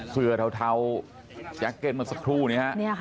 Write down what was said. เสือเทาแยกเก็ตมาสักทู่นี่ฮะ